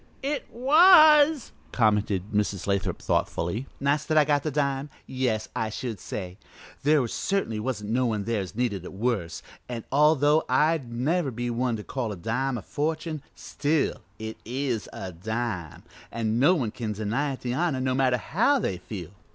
"It was " commented Mrs. Lathrop, thoughtfully. "Nice that I got the dime? yes, I should say. There certainly wasn't no one there as needed it worse, an', although I'd never be one to call a dime a fortune, still it is a dime, an' no one can't deny it the honor, no matter how they feel.